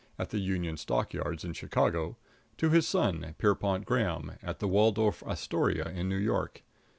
at the Union Stock || Yards in Chicago, to his || son, Pierrepont Graham, || at the Waldorf Astoria, || in New York.